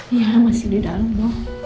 iya masih di dalam